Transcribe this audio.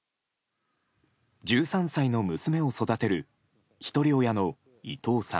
１３歳の娘を育てるひとり親の伊藤さん。